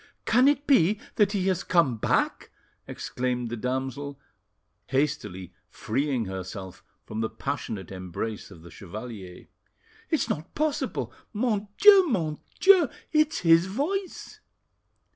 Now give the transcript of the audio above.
"Can it be that he has come back?" exclaimed the damsel, hastily freeing herself from the passionate embrace of the chevalier. "It's not possible! Mon Dieu! Mon Dieu! it's his voice!"